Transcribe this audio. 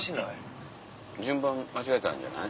順番間違えたんじゃない？